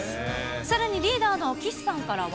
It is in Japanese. さらにリーダーの岸さんからは。